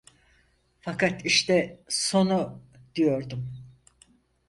Fakat işte, sonu! diyordum.